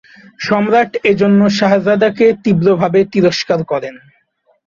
সম্রাট এজন্য শাহজাদাকে তীব্রভাবে তিরস্কার করেন।